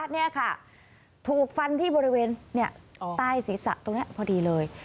นี่ค่ะถูกฟันที่บริเวณใต้ศีรษะตรงนี้พอดีเลย